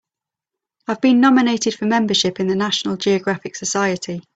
I've been nominated for membership in the National Geographic Society.